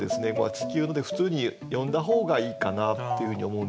「地球の」で普通に読んだ方がいいかなっていうふうに思うんですよね。